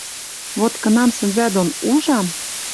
Вот кынам сӹнзӓ дон ужам